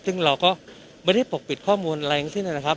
ซึ่งเราก็จะพกปิดค่อมูลอะไรอย่างนี้นะครับ